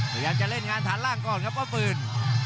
พยายามจะเล่นงานฐานล่างก่อนครับว่าปืน